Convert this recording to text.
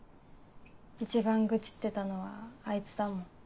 一番愚痴ってたのはあいつだもん。